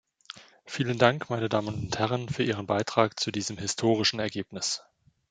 Vielen Dank, meine Damen und Herren, für Ihren Beitrag zu diesem historischen Ergebnis.